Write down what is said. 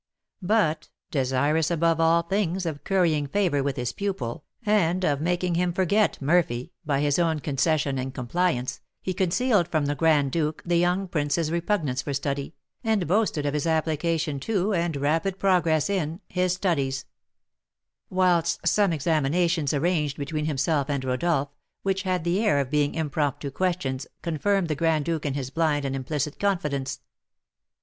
But, desirous above all things of currying favour with his pupil, and of making him forget Murphy, by his own concession and compliance, he concealed from the Grand Duke the young prince's repugnance for study, and boasted of his application to, and rapid progress in, his studies; whilst some examinations arranged between himself and Rodolph, which had the air of being impromptu questions, confirmed the Grand Duke in his blind and implicit confidence.